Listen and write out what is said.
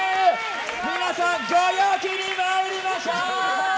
皆さん、ご陽気に参りましょう！